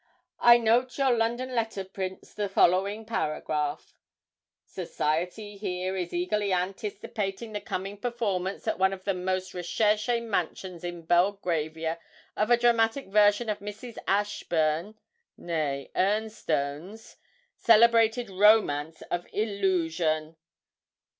I note that your London letter prints the following paragraph: '"_Society here is eagerly anticipating the coming performance, at one of the most recherché mansions in Belgravia, of a dramatic version of Mrs. Ashburn (née Ernstone's) celebrated romance of 'Illusion.'